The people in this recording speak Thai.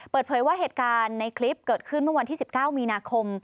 เปิดเผยว่าเหตุการณ์ในคลิปเกิดขึ้นเมื่อวันที่๑๙มีนาคม